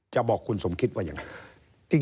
จะบอกคุณสมคิดว่ายังไง